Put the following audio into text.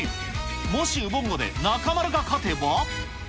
もしウボンゴで中丸が勝てば。